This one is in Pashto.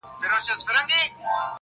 چي ژړل به یې ویلې به یې ساندي،